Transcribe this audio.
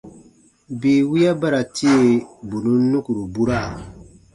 Bii wiya ba ra tie, bù nùn nukuru bura.